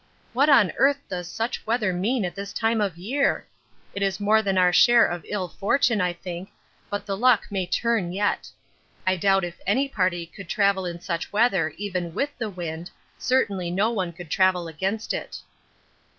What on earth does such weather mean at this time of year? It is more than our share of ill fortune, I think, but the luck may turn yet. I doubt if any party could travel in such weather even with the wind, certainly no one could travel against it.